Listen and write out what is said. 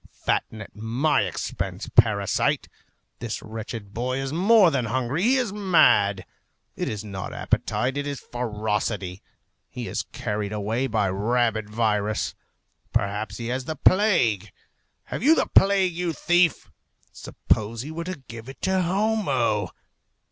Fatten at my expense, parasite! This wretched boy is more than hungry; he is mad. It is not appetite, it is ferocity. He is carried away by a rabid virus. Perhaps he has the plague. Have you the plague, you thief? Suppose he were to give it to Homo!